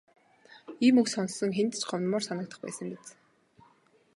Ийм үг сонссон хэнд ч гомдмоор санагдах байсан биз.